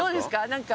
何か。